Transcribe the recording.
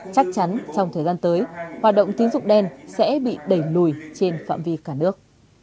chắc chắn trong thời gian tới hoạt động tín dụng đen sẽ bị đẩy lùi trên phạm vi cả nước